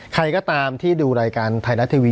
ใครก็ตามที่ดูรายการไทยรัฐทีวี